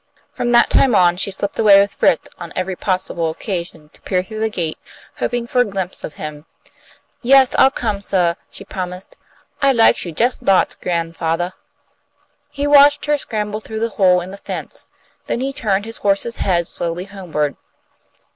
From that time on she slipped away with Fritz on every possible occasion to peer through the gate, hoping for a glimpse of him. "Yes, I'll come suah!" she promised. "I likes you just lots, gran'fathah!" He watched her scramble through the hole in the fence. Then he turned his horse's head slowly homeward.